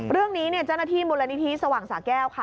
เรื่องนี้เจ้าหน้าที่มูลนิธิสว่างสาแก้วค่ะ